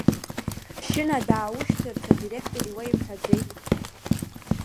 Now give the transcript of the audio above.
Шьына дааушьҭырц адиректор иуеимҳәаӡеи?